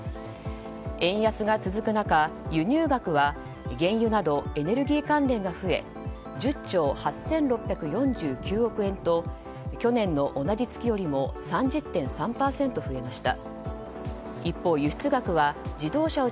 円安が続く中、輸入額は原油などエネルギー関連が増え１０兆８６４９億円と去年の同じ月よりも３０．３％増えました。